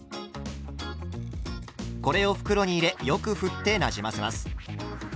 これを袋に入れよくふってなじませます。